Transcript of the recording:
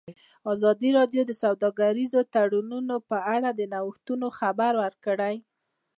ازادي راډیو د سوداګریز تړونونه په اړه د نوښتونو خبر ورکړی.